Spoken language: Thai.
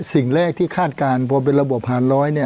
สิ่งแรกที่คาดการณ์พอเป็นระบบหารร้อยเนี่ย